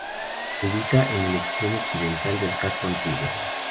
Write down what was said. Se ubica en el extremo occidental del casco antiguo.